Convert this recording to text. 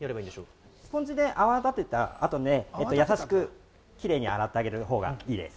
スポンジで泡立てたあと、優しくキレイに洗ってあげるほうがいいです。